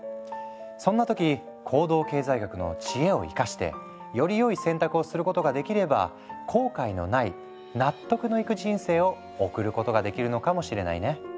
そんな時行動経済学の知恵を生かしてよりよい選択をすることができれば後悔のない納得のいく人生を送ることができるのかもしれないね。